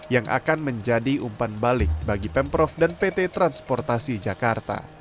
yang akan menjadi umpan balik bagi pemprov dan pt transportasi jakarta